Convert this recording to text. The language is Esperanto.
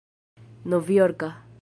novjorka